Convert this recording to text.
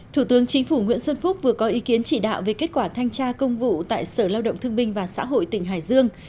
thủ tướng chính phủ nguyễn xuân phúc vừa có ý kiến chỉ đạo về kết quả thanh tra công vụ tại sở lao động thương binh và xã hội tỉnh hải dương